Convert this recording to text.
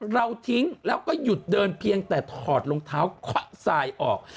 เราทิ้งแล้วก็หยุดเดินเพียงแต่ถอดรองเท้าควักทรายออก